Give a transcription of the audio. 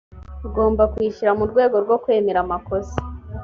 ugomba kwishyura mu rwego rwo kwemera amakosa